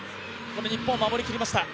日本、守りきりました。